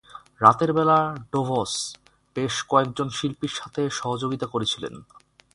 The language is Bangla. রাতের বেলা ডোভস বেশ কয়েকজন শিল্পীর সাথে সহযোগিতা করেছিলেন।